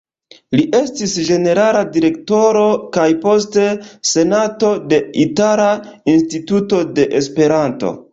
Li estis ĝenerala direktoro kaj poste senatano de Itala Instituto de Esperanto.